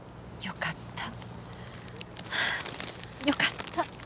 よかった。